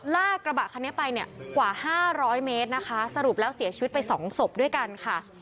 ลากกระบะคันนี้ไปเนี่ยกว่า๕๐๐เมตรนะคะสรุปแล้วเสียชีวิตไปสองศพด้วยกันค่ะ